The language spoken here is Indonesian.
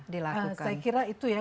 dilakukan saya kira itu ya